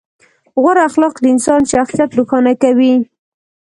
غوره اخلاق د انسان شخصیت روښانه کوي.